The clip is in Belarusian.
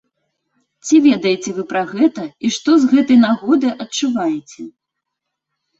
Ці ведаеце вы пра гэта і што з гэтай нагоды адчуваеце?